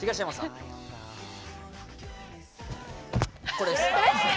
これです。